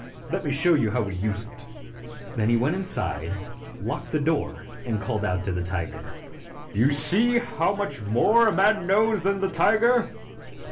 Let me show you how we use it." Then he went inside, locked the door, and called out to the tiger, "You see how much more man knows than the tiger.